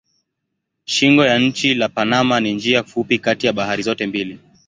Shingo ya nchi la Panama ni njia fupi kati ya bahari zote mbili.